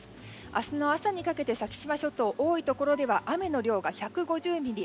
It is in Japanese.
明日の朝にかけて先島諸島、多いところでは雨の量が１５０ミリ。